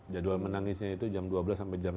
jadwal menangisnya itu jam dua belas sampai jam tiga